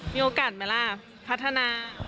มีโอกาสไหมล่ะพัฒนา